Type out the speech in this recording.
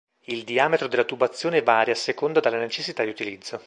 Il diametro della tubazione varia a seconda della necessità di utilizzo.